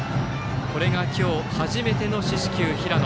これが今日初めての四死球の平野。